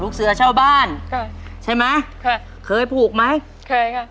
ลูกเสือเช่าบ้านใช่ไหมค่ะเคยผูกไหมค่ะ